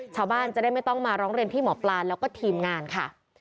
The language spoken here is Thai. ชาวบ้านจะได้ไม่ต้องมาร้องเรียนที่หมอปลาแล้วก็ทีมงานค่ะ